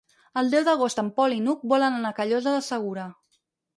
El deu d'agost en Pol i n'Hug volen anar a Callosa de Segura.